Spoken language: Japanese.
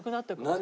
何？